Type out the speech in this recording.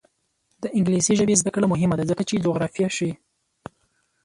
د انګلیسي ژبې زده کړه مهمه ده ځکه چې جغرافیه ښيي.